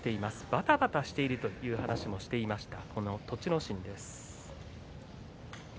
ばたばたしているという話もしていました